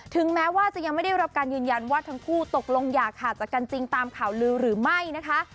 แม้ว่าจะยังไม่ได้รับการยืนยันว่าทั้งคู่ตกลงอย่าขาดจากกันจริงตามข่าวลือหรือไม่นะคะ